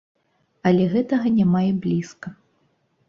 Але гэтага няма і блізка.